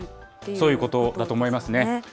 そういうことだと思いますね。